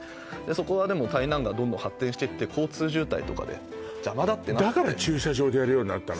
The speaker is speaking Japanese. そこはでも台南がどんどん発展していって交通渋滞とかで邪魔だってなってだから駐車場でやるようになったの？